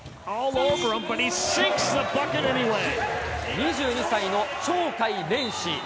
２２歳の鳥海連志。